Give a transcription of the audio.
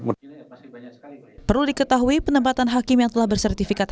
perlu diketahui penempatan hakim yang telah bersertifikat